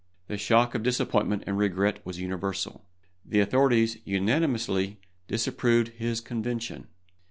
The shock of disappointment and regret was universal. The authorities unanimously disapproved his convention.